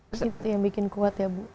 itu yang bikin kuat ya bu